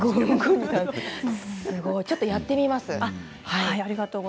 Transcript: ちょっとやってみます。